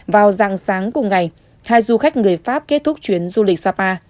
vào dạng sáng cùng ngày hai du khách người pháp kết thúc chuyến du lịch sapa